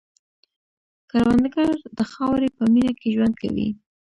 کروندګر د خاورې په مینه کې ژوند کوي